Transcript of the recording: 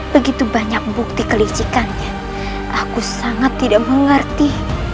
begitu banyak bukti kelisjikannya aku sangat tidak mengerti